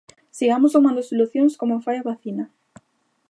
Sigamos sumando solucións como fai a vacina.